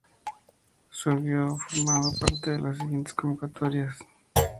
Siguió formando parte de las siguientes convocatorias de Fernando Santos para la selección absoluta.